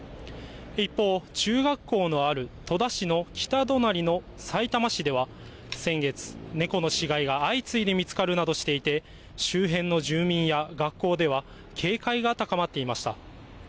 一方、中学校のある戸田市の北隣のさいたま市では、先月、猫の死骸が相次いで見つかるなどしていて、周辺の住民や学校では警戒が高まっていました。